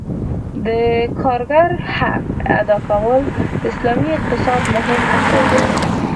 د کارګر حق ادا کول د اسلامي اقتصاد مهم اصل دی.